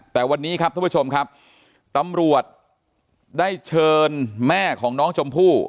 แต่วันนี้ครับท่านผู้ชมครับตำรวจได้เชิญแม่ของน้องชมพู่